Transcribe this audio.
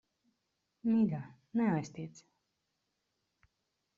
Mīļā, neaiztiec.